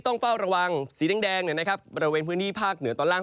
ต้องเฝ้าระวังสีแดงแดงเนี่ยนะครับบริเวณพื้นที่ภาคเหนือตอนล่าง